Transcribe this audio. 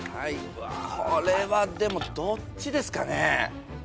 これはでもどっちですかね？